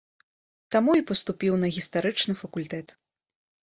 Таму і паступіў на гістарычны факультэт.